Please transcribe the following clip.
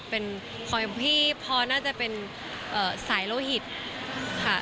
เป็นคอยของพี่พอน่าจะเป็นสายโลหิตค่ะ